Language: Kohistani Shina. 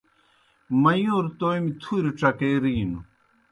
میُوݩر تومیْ تُھوریْ ڇکے رِینوْ